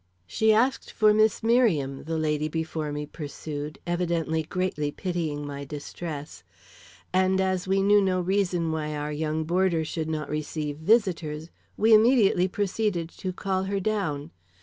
"She asked for Miss Merriam," the lady before me pursued, evidently greatly pitying my distress, "and as we knew no reason why our young boarder should not receive visitors, we immediately proceeded to call her down.